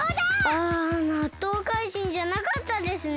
あなっとうかいじんじゃなかったですね。